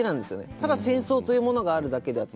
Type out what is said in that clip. ただ戦争というものがあるだけであって。